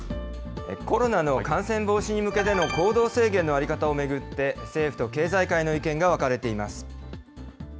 コロナの感染防止に向けての行動制限の在り方を巡って、政府と経済界の意見が分かれています。